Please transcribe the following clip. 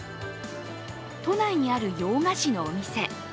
都内にある洋菓子のお店。